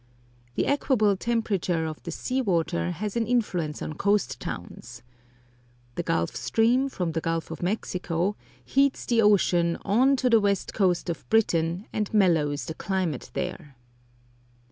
The equable temperature of the sea water has an influence on coast towns. The Gulf Stream, from the Gulf of Mexico, heats the ocean on to the west coast of Britain, and mellows the climate there.